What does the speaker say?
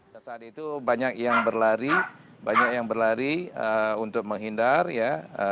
saat itu banyak yang berlari banyak yang berlari untuk menghindar ya